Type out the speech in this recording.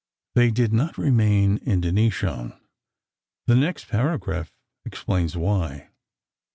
They did not remain in Denishawn; the next paragraph explains why.